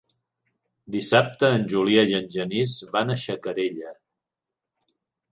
Dissabte en Julià i en Genís van a Xacarella.